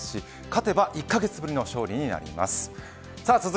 勝てば１カ月ぶりの勝利になります。